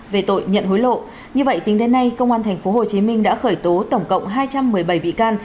về tội nhận hối lộ như vậy tính đến nay công an tp hcm đã khởi tố tổng cộng hai trăm một mươi bảy bị can